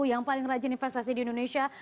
yang paling rajin investasi di indonesia